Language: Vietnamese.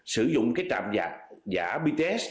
sử dụng cái trạm giả bts